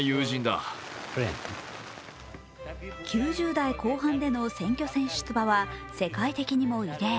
９０代後半での選挙戦出馬は世界的にも異例。